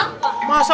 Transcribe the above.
oh kenapa bosan